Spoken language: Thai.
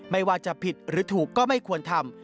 ไม่ว่าจะผิดหรือถูกก็ไม่ควรทำ